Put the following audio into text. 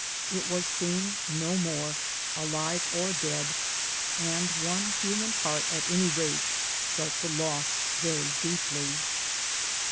It was seen no more, alive or dead ; and one human heart at any rate felt the loss very deeply.